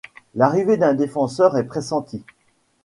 L'arrivée d'un défenseur est pressenti.